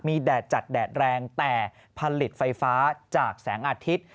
มีแดดจัดแดดแรงแต่ผลิตไฟฟ้าจากแสงอาทิตย์